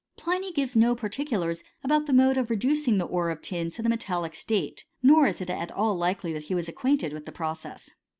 Pliny gives no particulars about the mode of re ducing the ore of tin to the metallic state ; nor is it a( all likely that he was acquainted with the process.